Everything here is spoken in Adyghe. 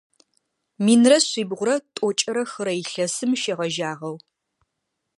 Минрэ шъибгъурэ тӏокӏрэ хырэ илъэсым шегъэжьагъэу.